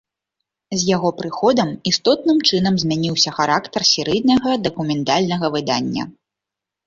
З яго прыходам істотным чынам змяніўся характар серыйнага дакументальнага выдання.